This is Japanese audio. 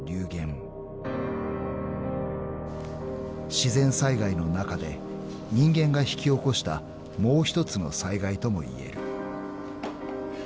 ［自然災害の中で人間が引き起こしたもう一つの災害ともいえる］